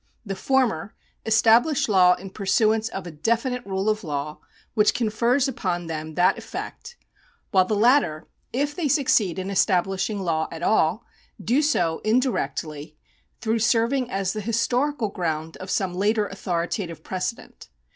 The former establish law in pursuance of a definite rule of law which confers upon them that effect, while the latter, if they succeed in establishing law at all, do so indi rectly, through serving as the historical ground of some later authoritative precedent.